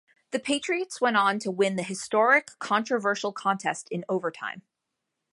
The Patriots went on to win the historic, controversial contest in overtime.